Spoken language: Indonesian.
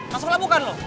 masuk ke labu kan lu